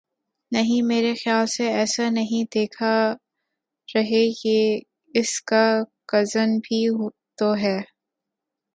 نہیں میرے خیال سے ایسا نہیں دکھا رہے یہ اس کا کزن بھی تو ہے